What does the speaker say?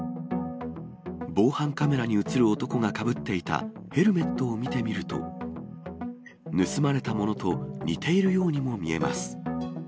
防犯カメラに写る男がかぶっていたヘルメットを見てみると、盗まれたものと似ているようにも見えます。